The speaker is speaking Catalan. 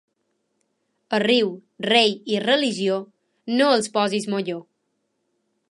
A riu, rei i religió, no els posis molló.